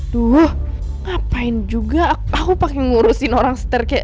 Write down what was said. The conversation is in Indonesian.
duh ngapain juga aku pake ngurusin orang stress kayak itu